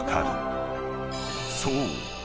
［そう。